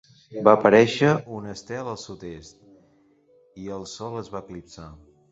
Va aparèixer un estel al sud-est, i el sol es va eclipsar.